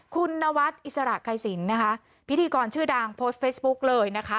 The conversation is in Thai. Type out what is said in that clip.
คุณนวัดอิสระไกรสินนะคะพิธีกรชื่อดังโพสต์เฟซบุ๊กเลยนะคะ